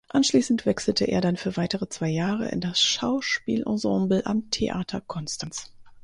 Anschließend wechselte er dann für weitere zwei Jahre in das Schauspielensemble am Theater Konstanz.